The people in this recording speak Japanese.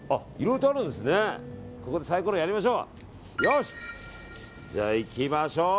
ここでサイコロやりましょう。